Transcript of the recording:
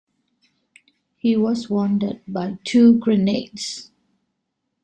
He was wounded by two grenades.